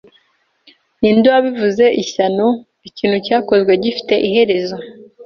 Ninde wabivuze ishyano! 'Ikintu cyakozwe gifite iherezo!'